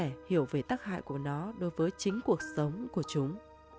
hãy giúp trẻ hiểu về tắc hại của nó đối với chính cuộc sống của chúng